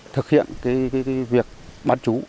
thực hiện việc bán chú